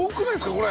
これ。